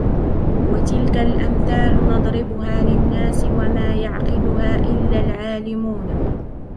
وتلك الأمثال نضربها للناس وما يعقلها إلا العالمون